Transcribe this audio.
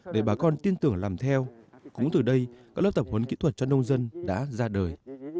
để bà con tin tưởng làm theo cũng từ đây các lớp tập huấn kỹ thuật cho nông dân đã ra đời